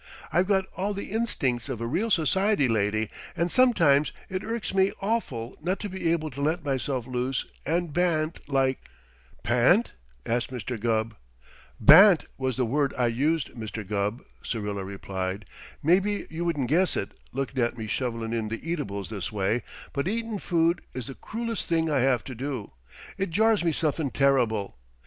I've got all the instincts of a real society lady and sometimes it irks me awful not to be able to let myself loose and bant like " "Pant?" asked Mr. Gubb. "Bant was the word I used, Mr. Gubb," Syrilla replied. "Maybe you wouldn't guess it, lookin' at me shovelin' in the eatables this way, but eatin' food is the croolest thing I have to do. It jars me somethin' terrible.